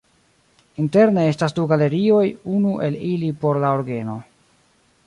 Interne estas du galerioj, unu el ili por la orgeno.